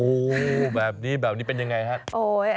โอ้แบบนี้เป็นอย่างไรครับ